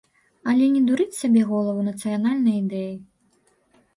Але не дурыць сабе галаву нацыянальнай ідэяй.